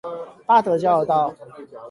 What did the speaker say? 八德交流道